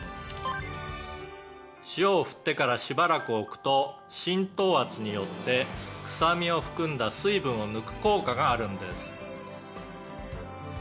「塩を振ってからしばらく置くと浸透圧によって臭みを含んだ水分を抜く効果があるんです」